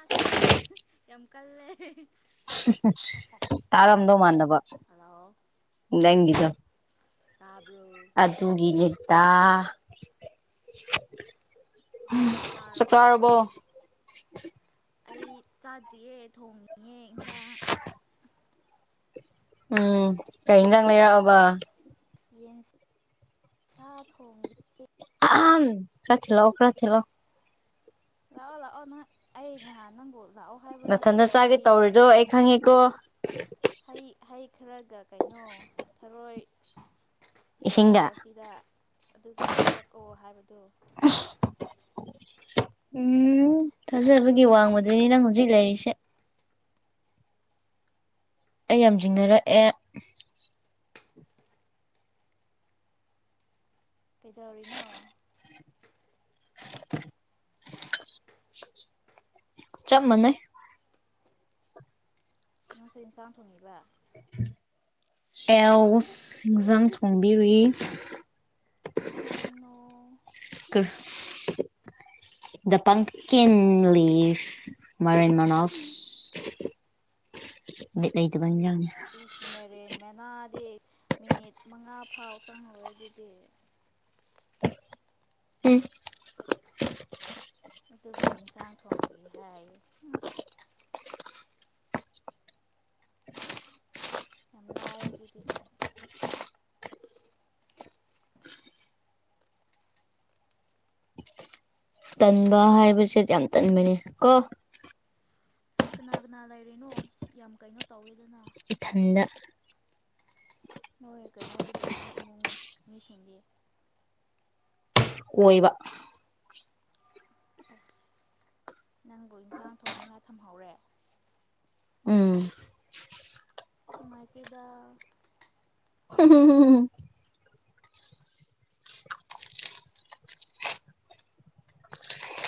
ꯑ꯭ꯁ ꯌꯥꯝ ꯀꯜꯂꯦ ꯇꯥꯔꯝꯗꯧ ꯃꯥꯟꯗꯕ ꯍꯜꯂꯣ ꯅꯪꯒꯤꯗꯣ ꯇꯥꯕ꯭ꯔꯣ ꯑꯗꯨꯒꯤꯅꯤꯗꯥ ꯆꯥꯛ ꯆꯥꯔꯕꯣ [unintelligible] ꯑꯩ ꯆꯥꯗ꯭ꯔꯤꯌꯦ ꯊꯣꯡꯉꯤꯌꯦ ꯏꯟꯁꯥꯡ ꯎꯝ ꯀꯩꯩꯅ ꯏꯟꯖꯥꯡ ꯂꯩꯔꯛꯑꯕ ꯌꯦꯟ ꯁꯥ ꯊꯣꯡꯒꯦ ꯑꯍꯝ ꯈ꯭ꯔꯥ ꯊꯤꯜꯂꯛꯑꯨ ꯈ꯭ꯔꯥ ꯊꯤꯜꯂꯛꯑꯨ ꯂꯥꯛꯑꯣ ꯂꯥꯛꯑꯣ ꯅꯣꯏ ꯑꯩ ꯅꯍꯥꯟ ꯅꯪꯕꯨ ꯂꯥꯛꯑꯣ ꯍꯥꯏꯕ ꯃꯊꯟꯇ ꯅꯠꯇ꯭ꯔꯣ ꯆꯥꯒꯦ ꯍꯩ ꯇꯧꯔꯤꯗꯣ ꯑꯩ ꯈꯪꯉꯦꯀꯣ ꯍꯩ ꯍꯩ ꯈꯔꯒ ꯀꯩꯅꯣ ꯊꯔꯣꯏ ꯄꯨꯔꯛꯑꯣ ꯏꯁꯤꯡꯗ ꯑꯁꯤꯗ ꯑꯗꯨꯒ ꯀꯣꯏꯔꯛꯑꯣ ꯍꯥꯏꯕꯗꯣ [unintelligible] ꯎꯝ ꯊꯥꯖꯕꯒꯤ ꯋꯥꯡꯕꯗꯅꯤ ꯅꯪ ꯍꯧꯖꯤꯛ ꯂꯩꯔꯤꯁꯦ ꯑꯩ ꯌꯥꯝ ꯆꯤꯡꯅꯔꯛꯑꯦ ꯀꯦꯗꯧꯔꯤꯅꯣ [unintelligible] ꯆꯞ ꯃꯥꯟꯅꯩ ꯅꯪꯁꯨ ꯏꯟꯁꯥꯡ ꯊꯣꯡꯅꯤꯕ ꯑꯦꯌꯥ꯭ꯎ꯭ꯁ ꯏꯤꯟꯖꯥꯡ ꯊꯣꯡꯕꯤꯔꯤ ꯀꯩ ꯁꯥꯡꯅꯣ [unintelligible] ꯗ ꯄꯝꯀꯤꯟ ꯂꯤꯐ ꯃꯥꯏꯔꯦꯟ ꯃꯅꯥ꯭ꯁ ꯕꯤꯠ ꯂꯩꯇꯕ ꯏꯤꯟꯖꯥꯡꯅꯤ ꯏꯤ꯭ꯁ ꯃꯥꯏꯔꯦꯟ ꯃꯦꯅꯥꯗꯤ ꯃꯤꯅꯤꯠ ꯃꯉꯥ ꯐꯥꯎ ꯆꯪꯉꯔꯣꯏ ꯑꯗꯨꯗꯤ ꯎꯝ ꯑꯗꯨꯕꯨ ꯏꯟꯁꯥꯡ ꯊꯣꯡꯕꯤ ꯍꯥꯏꯌꯦ ꯍꯝ ꯌꯥꯝ ꯂꯥꯏꯑꯦ ꯑꯗꯨꯗꯤ ꯇꯟꯕ ꯍꯥꯏꯕꯁꯦ ꯌꯥꯝ ꯇꯟꯕꯅꯤ ꯀꯣ ꯀꯅꯥ ꯀꯅꯥ ꯂꯩꯔꯤꯅꯣ ꯌꯥꯝ ꯀꯩꯅꯣ ꯇꯧꯋꯦꯗꯅ ꯏꯊꯟꯗ ꯅꯣꯏ ꯀꯩꯅꯣꯗꯨꯗꯤ ꯅꯣꯏ ꯏꯃꯨꯡ ꯃꯤꯁꯤꯡꯗꯤ ꯑꯣꯏꯕ ꯑꯁ ꯅꯪꯕꯨ ꯏꯟꯁꯥꯡ ꯊꯣꯡꯅꯤꯡꯉꯥꯏ ꯊꯝꯍꯧꯔꯦ ꯎꯝ ꯅꯨꯡꯉꯥꯏꯇꯦꯗ [unintelligible]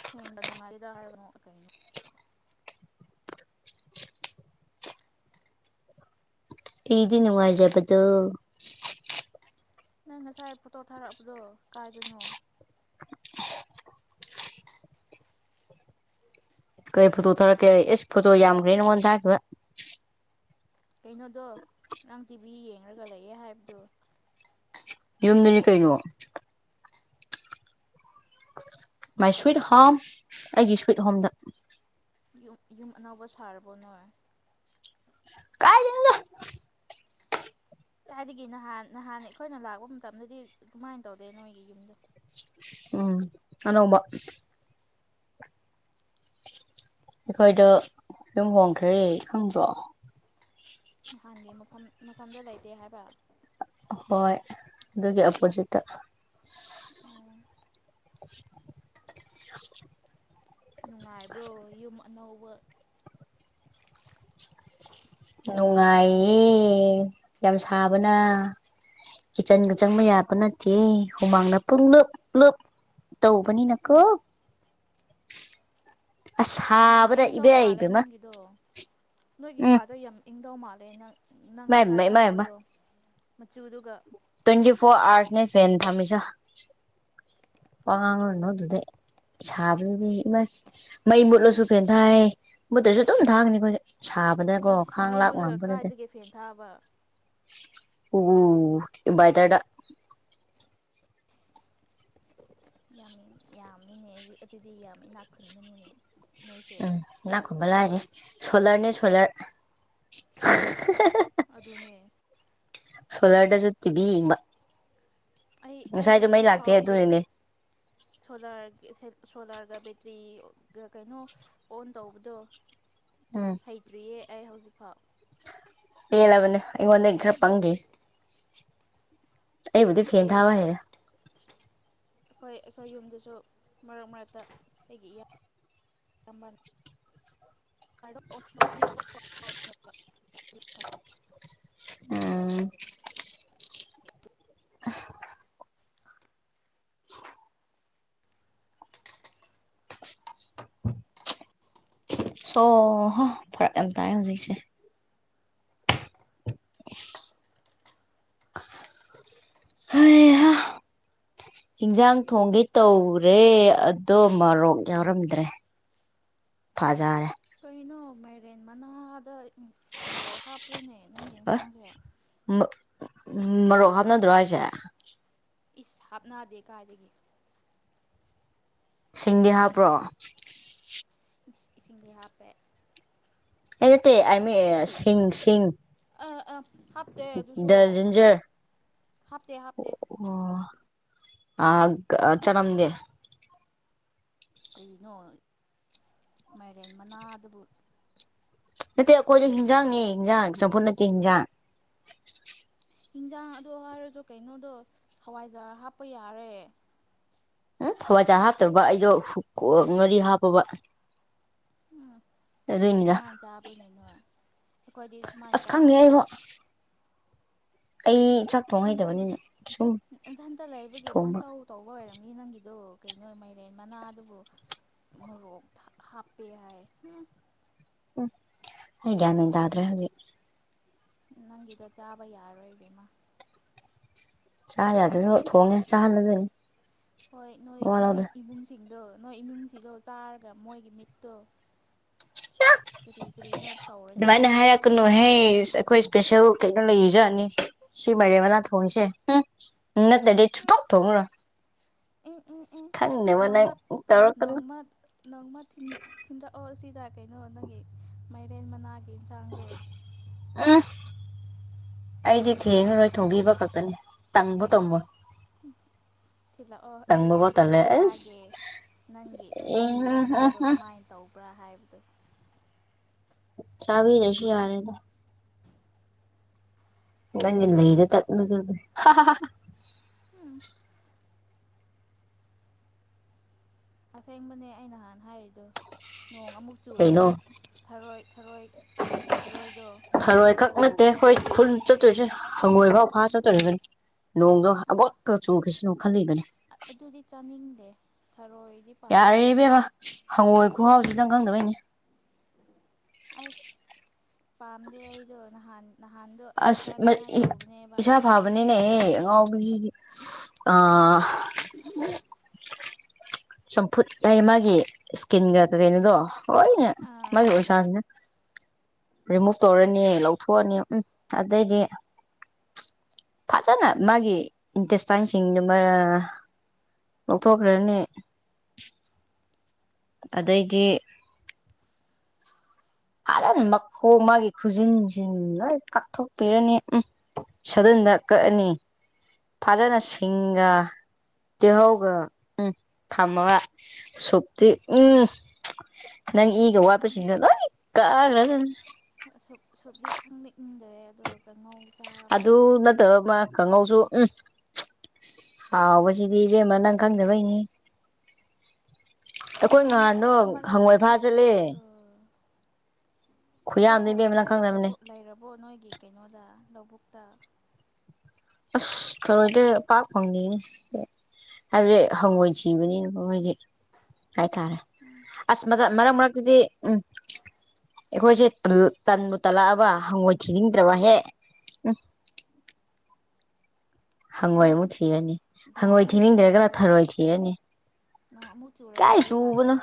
ꯁꯦꯡꯕ ꯅꯨꯡꯉꯥꯏꯗ ꯍꯥꯏꯕꯅꯣ ꯀꯩꯅꯣ ꯅꯨꯡꯉꯥꯏꯖꯕꯗꫭ ꯅꯪ ꯉꯁꯥꯏ ꯐꯣꯇꯣ ꯊꯥꯔꯛꯕꯗꯣ ꯀꯥꯏꯗꯅꯣ ꯀꯩ ꯐꯣꯇꯣ ꯊꯥꯔꯛꯀꯦ ꯑꯦꯁ ꯐꯣꯇꯣ ꯌꯥꯝꯈ꯭ꯔꯦ ꯅꯉꯣꯟ ꯊꯥꯈꯤꯕ ꯀꯩꯅꯣꯗꯣ ꯅꯪ ꯇꯤꯚꯤ ꯌꯦꯡꯉꯒ ꯂꯩꯌꯦ ꯍꯥꯏꯕꯗꯣ ꯌꯨꯝꯗꯨꯅꯤ ꯀꯩꯅꯣ ꯃꯥꯏ ꯁ꯭ꯋꯤꯠ ꯍꯣꯝ ꯑꯩꯒꯤ ꯁ꯭ꯋꯤꯠ ꯍꯣꯝꯗ ꯌꯨꯝ ꯌꯨꯝ ꯑꯅꯧꯕ ꯁꯥꯔꯕꯣ ꯅꯣꯏ ꯀꯥꯏ ꯅꫭꯗ ꯀꯥꯏꯗꯒꯤ ꯅꯍꯥꯟ ꯅꯍꯥꯟ ꯑꯩꯈꯣꯏꯅ ꯂꯥꯛꯄ ꯃꯇꯝꯗꯗꯤ ꯀꯃꯥꯏꯅ ꯇꯧꯗꯦ ꯅꯣꯏꯒꯤ ꯌꯨꯝꯗꯣ ꯎꯝ ꯑꯅꯧꯕ ꯑꯩꯈꯣꯏꯗꯣ ꯌꯨꯝ ꯍꯣꯡꯈ꯭ꯔꯦ ꯈꯪꯕ꯭ꯔꯣ ꯅꯍꯥꯟꯒꯤ ꯃꯐꯝ ꯃꯐꯝꯗ ꯂꯩꯇꯦ ꯍꯥꯏꯕ ꯍꯣꯏ ꯑꯗꯨꯒꯤ ꯑꯞꯄꯣꯖꯤꯠꯇ ꯑꯣ [inaudible] ꯅꯨꯡꯉꯥꯏꯕ꯭ꯔꯣ ꯌꯨꯝ ꯑꯅꯧꯕ ꯅꯨꯡꯉꯥꯏꯌꯦ ꯌꯥꯝ ꯁꯥꯕꯅ ꯀꯤꯠꯆꯟꯒ ꯆꯪꯕ ꯌꯥꯕ ꯅꯠꯇꯦ ꯍꯨꯃꯥꯡꯗ ꯄꯨꯡ ꯂꯨꯞ ꯂꯨꯞ ꯇꯧꯕꯅꯤ ꯅꯀꯣ ꯑꯁ ꯌꯥꯝ ꯁꯥꯕꯗ ꯏꯪ ꯇꯧ ꯏꯕꯦꯝ ꯃꯥꯜꯂꯦ ꯏꯕꯦꯝꯃ ꯅꯪꯒꯤꯗꯣ ꯅꯣꯏꯒꯤ ꯎꯝ ꯀꯥꯗꯣ ꯌꯥꯝ ꯏꯪꯗꯧ ꯃꯥꯜꯂꯦ ꯅꯪ ꯅꯪ ꯏꯃꯥꯏ ꯉꯁꯥꯏ ꯄꯦꯝꯃ ꯏꯃꯥꯏ ꯄꯦꯝꯃ ꯊꯥꯔꯛꯄꯗꯣ ꯃꯆꯨꯗꯨꯒ ꯇ꯭ꯋꯦꯟꯇꯤ ꯐꯣꯔ ꯑꯋꯥꯔꯁ ꯅ ꯐꯦꯟ ꯊꯝꯃꯤ ꯖ ꯋꯥꯉꯣꯟꯅ ꯑꯣꯗꯗꯦ ꯁꯥꯕꯗꯨꯗꯤ ꯏꯃ ꯃꯩ ꯃꯨꯠꯂꯁꯨ ꯐꯦꯟ ꯊꯥꯏ ꯃꯨꯠꯇ꯭ꯔꯁꯨ ꯑꯗꯨꯨꯝ ꯊꯥꯡꯒꯅꯤ ꯑꯩꯈꯣꯏꯁꯦ ꯁꯥꯕꯗꯀꯣ ꯏꯁ ꯈꯥꯡ ꯃꯩ ꯂꯥꯛ ꯃꯨꯠꯂꯒ ꯉꯝꯕꯅꯠꯇ‌ꯦ ꯀꯥꯏꯗꯒꯤ ꯐꯦꯟ ꯊꯥꯕ ꯑꫭ ꯥꯏꯝꯕꯥꯏꯇꯥꯗꯥ ꯌꯥꯝꯃꯤ ꯌꯥꯝꯃꯤꯅꯦ ꯑꯗꯨꯗꯤ ꯌꯥꯝ ꯏꯅꯥꯛ ꯈꯨꯟꯕꯅꯤꯅꯦ ꯅꯣꯏꯁꯦ ꯅꯥꯀꯨꯝꯕ ꯂꯥꯏꯔꯅꯤ ꯁꯣꯂꯔꯅꯦ ꯁꯣꯂꯔ ꯑꯗꯨꯅꯦ ꯁꯣꯂꯔ ꯗꯁꯨꯇꯤꯕꯤ ꯌ‌ꯦꯡꯕ ꯑꯩ ꯑꯩ ꯍꯧꯖꯤꯛ ꯂꯥꯛꯇꯦ ꯐꯥꯎꯒꯤ ꯑꯗꯨꯅꯅꯦ ꯁꯣꯂꯥꯔ ꯁꯣꯂꯥꯔꯒ ꯕꯦꯇ꯭ꯔꯤꯒ ꯀꯩꯅꯣ ꯑꯣꯟ ꯇꯧꯕꯗꯣ ꯎꯝ ꯍꯩꯇ꯭ꯔꯤꯌꯦ ꯑꯩ ꯍꯧꯖꯤꯛꯐꯥꯎ ꯄꯦꯜꯂꯕꯅꯦ ꯑꯩꯉꯣꯟꯗ ꯈꯔ ꯄꯪꯈꯤ ꯑꯩꯕꯨꯗꯤ ꯐꯦꯟ ꯍꯩꯇ꯭꯭ꯔꯤꯑꯩ ꯊꯥꯕ ꯍꯩꯔꯦ ꯑꯩꯈꯣꯏ ꯑꯩꯈꯣꯏ ꯌꯨꯝꯗꯁꯨ ꯃꯔꯛ ꯃꯔꯛꯇ ꯑꯩꯒꯤ ꯏ ꯑꯃ [inaudible] ꯍꯥꯏꯕꯅꯦꯕ ꯎꯝ ꯁꯣꯍꯣ ꯐꯔꯛ ꯌꯥꯝ ꯇꯥꯏ ꯍꯧꯖꯤꯛꯁꯦ ꯍ ꯍꯤꯟꯖꯥꯡ ꯊꯣꯡꯒꯤ ꯇꯧꯔꯦ ꯑꯗꯣ ꯃꯣꯔꯣꯛ ꯌꯥꯎꯔꯝꯗ꯭ꯔꯦ ꯐꯖꯔꯦ ꯀꯩꯅꯣ ꯃꯥꯏꯔꯦꯟ ꯃꯅꯥꯗ ꯃꯣꯔꯣꯛ ꯍꯥꯞꯄ꯭ꯔꯨꯅꯦ ꯅꯪꯒꯤ ꯍꯣꯏ ꯌꯦꯟꯁꯥꯡꯁꯦ ꯃꯔꯣꯛ ꯍꯥꯞꯅꯗ꯭ꯔꯣ ꯍꯥꯏꯁꯦ ꯏꯁ ꯍꯥꯞꯅꯗꯦ ꯀꯥꯏꯗꯒꯤ ꯁꯤꯡꯗꯤ ꯍꯥꯞꯄ꯭ꯔꯣ ꯏꯁꯤꯡꯁꯦ ꯍꯥꯞꯄꯦ ꯑꯦ ꯑꯃꯤ ꯁꯤ ꯁꯤꯤꯡ ꯑꯥ ꯑꯥ ꯍꯥꯞꯇꯦ ꯑꯗꯨꯁꯨ ꯖꯤꯟꯖꯔ ꯍꯥꯞꯇꯦ ꯍꯥꯞꯇꯦ ꯑꯣ ꯑ ꯆꯅꯝꯗꯦ ꯀꯩꯅꯣ ꯃꯥꯏꯔꯦꯟ ꯃꯅꯥ ꯑꯗꯨꯕꯨ ꯅꯠꯇꯦ ꯑꯩꯈꯣꯏꯁꯨ ꯍꯤꯟꯖꯥꯡꯅꯦ ꯍꯤꯟꯖꯥꯡ ꯆꯝꯐꯨꯠ ꯅꯠꯇꯦ ꯍꯤꯟꯖꯥꯡ ꯍꯤꯟꯖꯥꯡ ꯑꯗꯣ ꯍꯥꯏꯔꯁꯨ ꯀꯩꯅꯣꯗꯣ ꯍꯋꯥꯏꯖꯥꯔ ꯍꯥꯞꯄ ꯌꯥꯔꯦ꯫ ꯎ ꯍꯋꯥꯏꯖꯥꯔ ꯍꯥꯞꯇꯕ ꯑꯩꯗꯣ ꯉꯥꯔꯤ ꯍꯥꯞꯄꯕ꯫ ꯎꯝ ꯑꯗꯨꯏꯅꯤꯗ ꯑꯗꯨꯃꯥꯏꯅ ꯆꯥꯕ꯭ꯔꯅꯦ ꯅꯣꯏ ꯑꯩꯈꯣꯏꯗꯤ ꯑꯗꯨꯃꯥꯏꯅ ꯆꯥꯗꯦ꯫ [unintelligible] ꯑꯩ ꯆꯥꯛ ꯊꯣꯡ ꯅꯊꯟꯇ ꯂ ꯍꯩꯇꯕꯅꯤꯅ ꯁꯨꯝ ꯅꯊꯟꯇ ꯂꯩꯕꯒꯤ ꯊꯣꯡꯕ ꯄꯪꯇꯧ ꯇꯧꯕ ꯑꯣꯏꯔꯝꯅꯤ ꯅꯪꯒꯤꯗꯣ ꯀꯩꯅꯣ ꯃꯩꯔꯦꯟ ꯃꯅꯥꯗꯨꯕꯨ ꯃꯣꯔꯣꯛ ꯊ ꯍꯥꯞꯄꯦ ꯍꯥꯏ ꯍꯝ꯫ ꯎꯝ ꯑꯩ ꯒ꯭ꯌꯥꯟ ꯃꯦꯟ ꯇꯥꯗ꯭ꯔꯦ ꯍꯧꯖꯤꯛ꯫ ꯅꯪꯒꯤꯗꯣ ꯆꯥꯕ ꯌꯥꯔꯣꯏ ꯕꯦꯝꯃꯥ꯫ ꯆꯥ ꯌꯥꯗ꯭ꯔꯁꯨ ꯊꯣꯡꯉꯦ ꯆꯥꯍꯜꯂꯗꯣꯏꯅꯤ꯫ ꯍꯣꯏ ꯅꯣꯏ ꯋꯥ ꯅꯣꯏ ꯂꯧꯗꯦ ꯏꯃꯨꯡꯁꯤꯡꯗꯣ ꯅꯣꯏ ꯏꯃꯨꯡꯁꯤꯗꯣ ꯆꯥꯔꯒ ꯃꯣꯏꯒꯤ ꯃꯤꯠꯇꯣ ꯀꯔꯤ ꯀꯔꯤꯅꯣ ꯇꯧꯔꯅꯤꯕ꯫ ꯀꯩꯅꯣꯍꯦ ꯑꯩꯈꯣꯏ ꯏꯁꯄꯦꯁꯦꯜ ꯀꯩꯅꯣ ꯂꯩꯖꯥꯠꯅꯤ꯫ ꯁꯤ ꯃꯥꯏꯔꯦꯟ ꯃꯅꯥ ꯊꯣꯡꯏꯁꯦ ꯅꯠꯇ꯭ꯔꯗꯤ ꯎꯝ ꯁꯨꯊꫭꯡ ꯊꫭꯡꯑꯔꫭꯏ꯫ ꯑꯦ ꯑꯦ ꯑꯦ ꯅꯣꯡꯃꯥ ꯅꯪ ꯇꯧꯔꯛꯀꯅꯨ ꯅꯣꯡꯃ ꯅꯪꯃ ꯊꯤꯟ ꯊꯤꯟꯔꯛꯑꯣ ꯁꯤꯗ ꯀꯩꯅꯣ ꯅꯪꯒꯤ ꯃꯥꯏꯔꯦꯟ ꯃꯅꯥꯒꯤ ꯏꯟꯁꯥꯡꯗꯣ [unintelligible] ꯑꯩꯗꯤ ꯊꯦꯡꯔꯔꯣꯏ ꯊꫭꯡꯕꯤꯕ ꯈꯛꯇꯅꯤ ꯇꯪꯕ ꯇꯝꯃꫭꯏ꯫ ꯊꯤꯜꯂꯛꯑꯣ ꯑꯩ ꯇꯪꯕꯕꯧ ꯇꯜꯂꯦ ꯆꯥꯒꯦ ꯑꯁ ꯅꯪꯒꯤ ꯅꯪꯒꯤ ꯎꯝ ꯎꯝ ꯈꯨꯊꯣꯡꯗꯣ ꯎꯝ ꯀꯃꯥꯏꯅ ꯇꯧ ꯄꯨ꯭ꯔꯥ ꯍꯥꯏꯕꯗꯣ꯫ ꯆꯥꯕꯤꯗ꯭ꯔꯁꯨ ꯌꯥꯔꯦꯗ꯫ [inaudible] ꯅꯪꯒꯤ ꯂꯩꯗ ꯇꯠꯅꯗꯨꯗꯤ꯫ ꯎꯝ꯫ ꯑꯁꯦꯡꯕꯅꯦ ꯑꯩ ꯅꯍꯥꯟ ꯍꯥꯏꯔꯤꯗꯣ꯫ ꯅꯣꯡ ꯑꯃꯨꯛ ꯀꯩꯅꯣ ꯆꯨꯔꯗꯤ ꯊꯔꯣꯏ ꯊꯔꯣꯏ ꯊꯔꯣꯏꯗꯣ ꯈꯨꯜꯂꯒ ꯇꯦ ꯈꫭꯏ ꯈꯨꯨꯟ ꯆꯠꯇꯣꯏꯁꯦ ꯍꯪꯒꯣꯏꯐꯥꯎ ꯐꯥ ꯆꯠꯇꯣꯔꯤꯕꯅꯤ ꯅꯣꯡꯗꯣ ꯑꯕꯣꯠꯄ ꯆꯨꯈꯤꯁꯤꯅ ꯈꯜꯂꯤꯕꯅꯤ꯫ ꯑ ꯑꯗꯨꯗꯤ ꯆꯥꯅꯤꯡꯗꯦ ꯊꯔꯣꯏꯗꯤ ꯄꯥꯝꯃꯦ ꯌꯥꯔꯦ ꯏꯕꯦꯃ ꯍꯪꯉꯣꯏ ꯈꯨꯍꯥꯎꯁꯤ ꯅꯪ ꯈꯪꯗꯕꯩꯅꯤ꯫ ꯑꯁ ꯄꯥꯝꯗꯦ ꯑꯩꯗꯣ ꯅꯍꯥꯟ ꯅꯍꯥꯟꯗꯣ ꯑꯩ ꯆꯥꯅꯤꯡꯉꯥꯏ ꯇꯧꯕꯅꯦꯕ꯫ ꯐꯕꯅꯤꯅꯦꯍꯦ ꯑꯉꯥꯎꯕꯤꯁꯤꯗꯤ ꯑꯥ ꯆꯝꯐꯨꯠ ꯑꯩ ꯃꯥꯒꯤ ꯏꯁꯀꯤꯟꯒ ꯀꯔꯤꯅꯣꯗꯣ ꯂꫭꯏꯅꯦ ꯑꯥ ꯃꯥꯒꯤ ꯎꯟꯁꯥꯁꯤꯅ ꯔꯤꯃꯨꯚ ꯇꯧꯔꯅꯤ ꯂꯧꯊꯣꯛꯑꯅꯤ ꯎꯝ ꯑꯗꯩꯗꯤ ꯐꯖꯅ ꯃꯥꯒꯤ ꯏꯟꯇꯦꯁꯇꯥꯏꯟꯁꯤꯡꯗꯨ ꯃ ꯂꯧꯊꯣꯛꯈ꯭ꯔꯅꯤ ꯑꯗꯩꯗꯤ ꯐꯥꯖꯅ ꯃꯈꯣꯡ ꯃꯥꯒꯤ ꯈꯨꯖꯤꯟꯁꯤꯟ ꯂꯣꯏ ꯀꯥꯞꯊꯣꯛꯄꯤꯔꯅꯤ ꯎꯝ꯫ ꯁꯗꯨꯟꯗ ꯀꯛꯑꯅꯤ ꯐꯖꯅ ꯁꯤꯡꯒ ꯇꯤꯜꯍꯧꯒ ꯎꯝ ꯊꯝꯃꯒ ꯁꯨꯞꯇꯤ ꯎꯝ ꯅꯪ ꯏꯒ ꯋꯥꯠꯄꯁꯤꯡꯗꫭ ꯂꯣꯏ ꯀꯥꯈ꯭ꯔꯗꯕꯅꯤ꯫ ꯑ ꯁꯨꯞ ꯁꯨꯞꯗꯤ ꯊꯛꯅꯤꯡꯗ꯭ꯔꯦ ꯑꯗꯨꯒ ꯀꯉꯧ ꯑꯗꯨ ꯅꯠꯇꯕ ꯑꯃ ꯀꯥꯡꯍꯧꯁꯨ ꯎꯝ꯫ ꯍꯥꯎꯕꯁꯤꯗꯤ ꯏꯕꯦꯝꯃ ꯅꯪ ꯈꯪꯗꯕꯩꯅꯤ꯫ ꯑꯩꯈꯣꯏ ꯅꯍꯥꯟꯗꯣ ꯉꯍꯥꯟꯗꯣ ꯑꯩ ꯑꯃꯔꯛ ꯍꯪꯉꯣꯏ ꯐꯥ ꯆꯠꯈꯛꯈ꯭ꯔꯦ ꯆꯠꯂꯦ ꯑꯗꯨ ꯑꯗꯨ ꯈꯨꯌꯥꯝꯗꯣ ꯊꯔꯣꯏ ꯏꯕꯦꯝꯃ ꯅꯪ ꯈꯪꯗꯕꯅꯦ ꯂꯩꯈ꯭ꯔꯕꫭ ꯂꯩꯔꯕꯣ ꯅꯣꯏꯒꯤ ꯀꯩꯅꯣꯗ ꯂꯧꯕꯨꯛꯇ꯫ ꯑꯁ ꯊꯔꯣꯏꯗꯤ ꯄꯥꯛ ꯐꯪꯗꯦꯅꯦ ꯍꯥꯏꯕꯗꯤ ꯍꯪꯉꯣꯏ ꯊꯤꯕꯅꯤꯅꯕ ꯃꯣꯏꯁꯦ꯫ ꯍꯥꯏꯇꯥꯔꯦ ꯎꯝ ꯑꯁ ꯃꯇꯠ ꯃꯔꯛꯇꯗꯤ ꯎꯝ꯫ ꯑꯩꯈꯣꯏꯁꯦ ꯇꯟꯕꯨ ꯇꯜꯂꯛꯑꯕ ꯍꯪꯉꯣꯏ ꯊꯤꯅꯤꯡꯗ꯭ꯔꯕ ꯍꯦꯛ ꯎꯝ ꯑꯩ ꯍꯪꯉꯣꯏ ꯑꯃꯨꯛ ꯊꯤꯔꯅꯤ ꯅꯣꯡ ꯍꯪꯉꯣꯏ ꯑꯃꯨꯛ ꯊꯤꯅꯤꯡꯗꯔꯒ ꯆꯨꯔꯕ ꯊꯔꯣꯏ ꯊꯤꯔꯅꯤ꯫ ꯅꯣꯡ ꯑꯃꯨꯛ ꯆꯨꯔꯕ ꯀꯥꯏ ꯑꯩ ꯆꯨꯕꯅꯣ ꯂꯥꯛꯀꯦ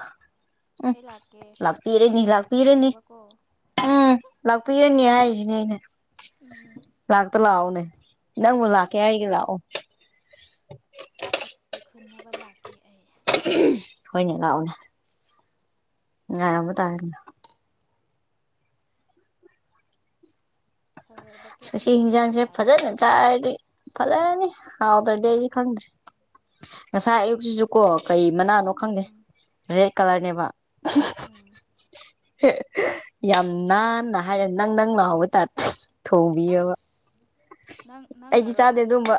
ꯎꯝ ꯑꯩ ꯂꯥꯛꯀꯦ ꯂꯥꯛꯄꯤꯔꯦꯅꯤ ꯊꯔꯣꯏ ꯂꯥꯛꯄꯤꯔꯦꯅꯤ ꯈꯨꯟꯅꯕꯀꯣ ꯎꯝ ꯂꯥꯛꯄꯤꯔꯅꯤ ꯍꯥꯏꯁꯤꯅꯦ ꯑꯩꯅ ꯎꯝ ꯂꯥꯛꯑꯣꯅꯦ ꯅꯪꯕꯨ ꯂꯥꯛꯀꯦ ꯍꯥꯏꯒ ꯂꯥꯛꯑꯣ ꯂꯥꯏꯈꯨꯅꯕ ꯂꯥꯛꯈꯤ ꯑꯩ ꯍꯣꯏꯅꯦ ꯂꯥꯛꯑꯣꯅꯦ ꯌꯥꯔꯝꯕ ꯇꯥ ꯊꯔꯣꯏ ꯕꯛꯀꯦꯠ ꯁꯤ ꯑꯃ ꯈꯨꯟꯕ ꯏꯤꯡꯖꯥꯡꯁꯦ ꯇꯥꯔꯦ ꯐꯖꯅ ꯆꯥꯏꯔꯤ ꯐꯖꯔꯅꯤ ꯍꯥꯎꯗ ꯗꯦꯖꯤ ꯈꯟꯔꯤ ꯉꯁꯥꯏ ꯑꯌꯨꯛꯁꯤꯁꯨ ꯀꯣ ꯀꯩ ꯃꯅꯥꯅꯣ ꯈꯪꯗꯦ ꯎꯝ ꯔꯦꯠ ꯀꯂꯔꯅꯦꯕ ꯎꯝ ꯌꯥꯝ ꯅꯥꯟꯅ ꯍꯥꯏꯔꯦ ꯅꯪ ꯅꯪ ꯂꯍꯧꯕ ꯇꯥꯔꯦ ꯊꯣꯡꯕꯤꯔꯕ ꯑꯁ ꯅꯪ ꯑꯩꯗꯤ ꯅꯪꯅꯔꯣ ꯆꯥꯗꯦ ꯑꯗꯨꯒꯝꯕ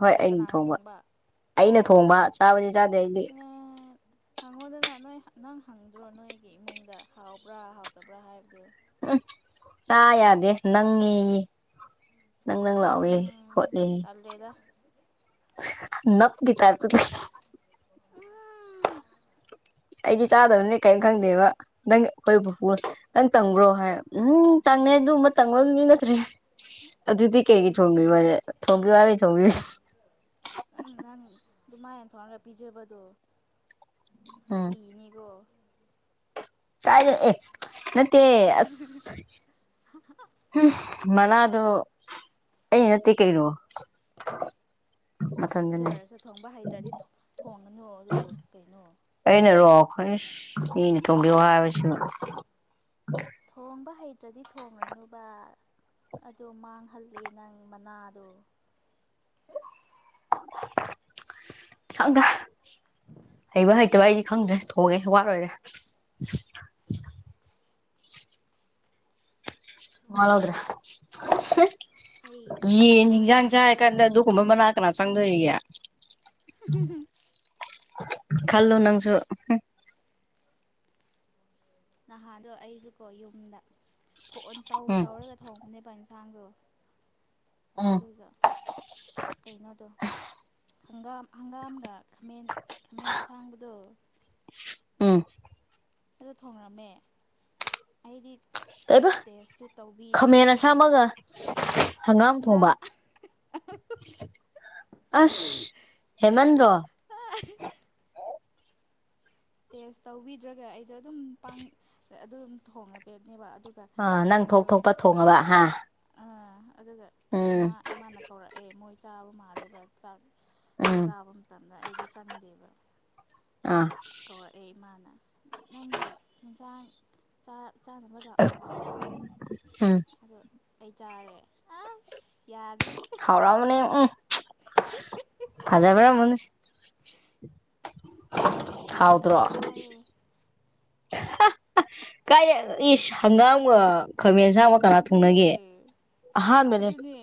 ꯍꯣꯏ ꯑꯣ ꯑꯩꯅ ꯀꯅꯥꯅ ꯊꯣꯡꯕ ꯑꯩꯅ ꯊꯣꯡꯕ ꯆꯥꯕꯗꯤ ꯆꯥꯗꯦ ꯑꯩꯗꯤ ꯍꯪꯉꯣꯗꯅ ꯅꯣꯏ ꯅꯪ ꯍꯪꯗ꯭ꯔꯣ ꯅꯣꯏꯒꯤ ꯏꯃꯨꯡꯗ ꯍꯥꯎꯕ꯭ꯔꯥ ꯍꯥꯎꯇꯕ꯭ꯔꯥ ꯍꯥꯏꯕꯗꯨ ꯎꯝ ꯆꯥ ꯌꯥꯗꯦ ꯅꯪꯉ ꯅꯪ ꯅꯪ ꯂꯥꯛꯋꯦ ꯍꯂ ꯎꯝ ꯇꯜꯂꯦꯗ ꯅꯞ ꯇ ꯎꯝ ꯑꯩꯒꯤ ꯆꯥꯗꯕꯅꯦ ꯀꯔꯤꯝ ꯈꯪꯗꯦꯕ ꯅꯪ ꯑꯩꯈꯣꯏ ꯅꯪ ꯇꯪꯕ꯭ꯔꯣ ꯍꯥꯏ ꯎꯝ ꯇꯪꯅꯦ ꯑꯗꯨ ꯑꯃ ꯇꯪꯕ ꯃꯤ ꯅꯠꯇ꯭ꯔꯦ ꯑꯗꯨꯗꯤ ꯀꯩꯀꯩ ꯂꯦ ꯊꯣꯡꯕꯤꯌꯅꯦ ꯊꯣꯡꯕꯤꯌꯨ ꯍꯥꯏꯕꯩ ꯊꯣꯡꯕꯤꯌꯨ ꯅꯪ ꯅꯪ ꯑꯗꯨꯃꯥꯏꯅ ꯊꯣꯡꯉꯒ ꯄꯤꯖꯕꯗꯣ ꯎꯝ ꯁꯤꯅꯤꯀꯣ ꯀꯥꯏ ꯑꯦ ꯅꯠꯇ ꯑꯁ ꯍꯥ ꯍꯥ [inaudible] ꯃꯅꯥꯥꯗꯣ ꯑꯩ ꯅꯠꯇꯦ ꯀꯩꯅꯣ ꯑꯗꯨ ꯃꯊꯟꯗꯅꯦ ꯑꯣꯏꯔꯁꯨ ꯊꯣꯡꯕ ꯍꯩꯇ꯭ꯔꯗꯤ ꯊꯣꯡꯉꯅꯨ ꯑꯗꯨ ꯀꯩꯅꯣ ꯑꯩꯅꯔꯣ ꯈꯣꯏ ꯃꯤꯅ ꯊꯣꯡꯕꯤꯌꯣ ꯍꯥꯏꯕꯁꯤ ꯊꯣꯡꯕ ꯍꯩꯇ꯭ꯔꯗꯤ ꯊꯣꯡꯉꯅꯨꯕ ꯑꯗꯣ ꯃꯥꯡꯍꯜꯂꯤ ꯅꯪ ꯃꯅꯥꯗꯣ ꯆꯗ ꯍꯩꯕ ꯍꯩꯇꯕ ꯑꯩꯗꯤ ꯈꯪꯗ꯭ꯔꯦ ꯊꯣꯡꯉꯦ ꯍ ꯋꯥꯠ ꯂꯣꯏꯔꯦ ꯃꯋꯥ ꯂꯧꯗꯦ ꯑꯩꯁꯨꯅꯦ ꯃꯤ ꯅꯍꯥꯟ ꯌꯦꯟꯖꯡ ꯆꯥꯔꯤ ꯅꯍꯥꯟ ꯀꯥꯟꯗ ꯑꯗꯨ ꯀꯨꯝꯕ ꯃꯅꯥ ꯀꯅꯥ ꯆꯪꯗꯣꯔꯤꯒꯦ ꯈꯜꯂꯨ ꯅꯪꯁꯨ ꯅꯍꯥꯟꯗꯣ ꯑꯩꯁꯨꯀꯣ ꯌꯨꯝꯗ ꯇꯧ ꯎꯝ ꯇꯧꯔꯒ ꯊꯣꯡꯕꯅꯦꯕ ꯌꯦꯟꯁꯥꯡꯗꯣ ꯎꯝ ꯑꯗꯨꯒ ꯀꯩꯅꯣꯗꯣ ꯍꯪꯒꯥꯝ ꯍꯪꯒꯥꯝꯒ ꯈꯥꯃꯦꯟ ꯈꯥꯃꯦꯟ ꯑꯁꯥꯡꯕꯗꯣ ꯎꯝ ꯑꯗꯨꯗ ꯊꯣꯡꯅꯔꯝꯃꯦ ꯑꯩꯗꯤ ꯀꯩꯕ ꯇꯦꯁꯇꯨ ꯇꯧꯕꯤꯗꯦ ꯈꯥꯃꯦꯟ ꯑꯁꯥꯡꯕꯒ ꯍꯪꯒꯥꯝ ꯊꯣꯡꯕ ꯑꯁ ꯍꯦꯟꯃꯟꯗ꯭ꯔꯣ ꯫ ꯇꯦꯁ ꯇꯧꯕꯤꯗ꯭ꯔꯒ ꯑꯩꯗꯣ ꯑꯗꯨꯝ ꯄꯪ ꯑꯗꯨꯝ ꯊꯣꯡꯉꯕꯅꯦꯕ ꯫ ꯑꯗꯨꯒ ꯑꯥ ꯅꯪ ꯊꯣꯛ ꯀꯩꯅꯣꯗꯧ ꯊꯣꯛꯄ ꯊꯣꯡꯉꯕ ꯍꯥ ꯑꯥ ꯑꯗꯨꯒ ꯎꯝ ꯏꯃꯥ ꯏꯃꯥꯅ ꯀꯧꯔꯛꯑꯦ ꯃꯣꯏ ꯆꯥꯕ ꯃꯥꯜꯂꯦꯕ ꯆꯥꯛ ꯆꯥꯛ ꯎꯝ ꯆꯥꯕ ꯃꯇꯝꯗ ꯑꯩꯗꯤ ꯆꯪꯗꯦꯕ ꯑꯥ ꯑꯗꯨꯝ ꯀꯧꯔꯛꯑꯦ ꯏꯃꯥꯅ ꯫ ꯅꯪꯒꯤ ꯌꯦꯟꯁꯥꯡ ꯆꯥꯅꯕ ꯂꯥꯛꯑꯣ ꯍꯥꯏꯌꯦ ꯎꯝ ꯑꯗꯣ ꯑꯩ ꯆꯥꯔꯦ ꯑꯁ ꯌꯥꯗ꯭ꯔꯦ ꯍꯥꯎꯔꯝꯃꯅꯤ ꯎꯝ ꯐꯖꯥꯔꯝꯅꯤ ꯫ ꯌꯥꯝꯈꯛꯥꯏ ꯀꯥꯏꯅꯦ ꯏ ꯍꯪꯒꯥꯝ ꯈꯥꯃꯦꯟ ꯑꯁꯥꯡꯕ ꯀꯅꯥ ꯑꯗꯨꯅꯦ ꯊꯨꯡꯅꯒꯦ ꯑꯍꯥꯟꯕꯅꯦ ꯑꯗꯨꯅꯦ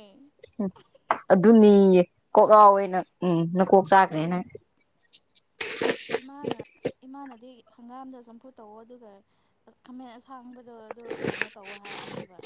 ꯫ ꯑꯗꯨꯅꯤꯌꯦ ꯀꯣꯛ ꯌꯥꯥꯎꯋꯦ ꯅꯪ ꯎꯝ ꯅ ꯀꯣꯛ ꯆꯥꯈ꯭ꯔꯦꯅꯪ ꯏꯃꯥꯅ ꯏꯃꯥꯅꯗꯤ ꯍꯪꯒꯥꯝꯗꯣ ꯆꯝꯐꯨꯠ ꯇꯧꯑꯣ ꯑꯗꯨꯒ ꯈꯥꯃꯦꯟ ꯑꯁꯥꯡꯕ ꯫ ꯑꯗꯣ ꯑꯣ ꯀꯩꯅꯣ ꯇꯧꯕ ꯍꯥꯏꯕꯅꯦꯕ